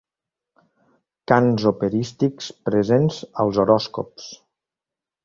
Cants operístics presents als horòscops.